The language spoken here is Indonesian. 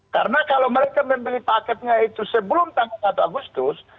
karena kalau mereka membeli paketnya itu sebelum tanggal satu agustus